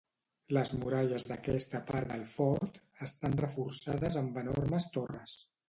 Les muralles d'aquesta part del fort estan reforçades amb enormes torres.